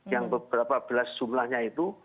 yang beberapa belas jumlahnya itu